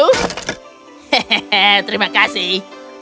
hehehe terima kasih